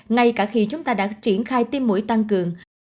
ngay cả khi chúng ta đã triển khai tiêm mũi tăng cường